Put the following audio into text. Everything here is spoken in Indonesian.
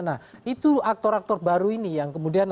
nah itu aktor aktor baru ini yang kemudian